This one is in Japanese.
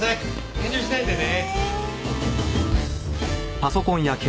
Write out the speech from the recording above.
遠慮しないでね。